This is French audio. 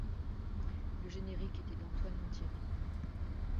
Le générique était d'Antoine Lantieri.